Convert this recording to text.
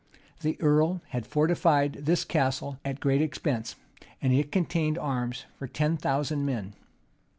[*] The earl had fortified this castle at great expense; and it contained arms for ten thousand men.